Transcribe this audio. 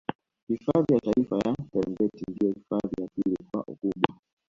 Hifadhi ya Taifa ya Serengeti ndio hifadhi ya pili kwa ukubwa